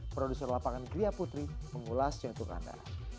produser lapangan gria putri mengulas contohnya